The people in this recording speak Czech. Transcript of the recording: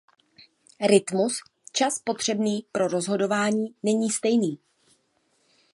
Rytmus, čas potřebný pro rozhodování není stejný.